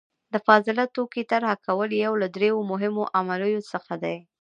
د فاضله توکي طرحه کول یو له ډیرو مهمو عملیو څخه دي.